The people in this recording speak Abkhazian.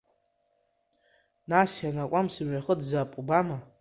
Нас ианакум сымҩахыҵзаап, убама?